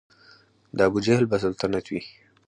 د ابوجهل به سلطنت وي